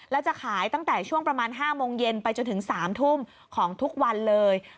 แล้วจะขายตั้งแต่ช่วงประมาณ๕โมงเย็นไปจนถึง๓ทุ่มของทุกวันเลย